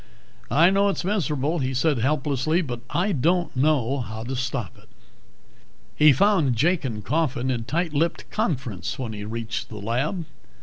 "I know it's miserable," he said helplessly. "But I don't know how to stop it." He found Jake and Coffin in tight lipped conference when he reached the lab.